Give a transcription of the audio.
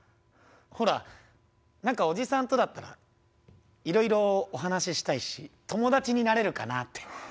ほら何かおじさんとだったらいろいろお話ししたいし友達になれるかなって。